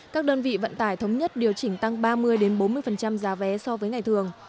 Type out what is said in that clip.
các đơn vị vận tải thống nhất điều chỉnh tăng ba mươi bốn mươi giá vé so với ngày thường